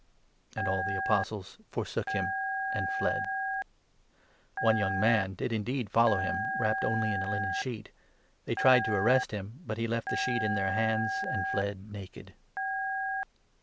And all the. Apostles forsook him, and fled. One young 50,51 man did indeed follow him, wrapped only in a linen sheet. They tried to arrest him ; but he left the sheet in their hands, 52 and fled naked.